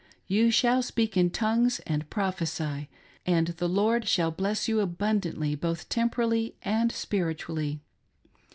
You shall speak in tongues, and prophesy ; and the Lord shall bless you abundantly, both temporally and spiritually.